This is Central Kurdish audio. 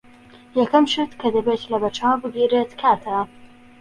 یەکەم شت کە دەبێت لەبەرچاو بگیرێت کاتە.